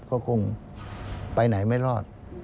ก็คงไปไหนไม่รอด